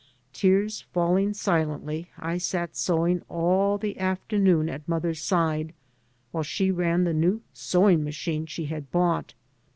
Tears falling silently I sat sewing all afternoon at mother's side while she ran the new sewing machine she had bought.